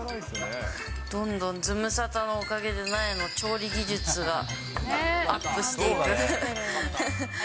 どんどんズムサタのおかげで、なえの調理技術がアップしていく。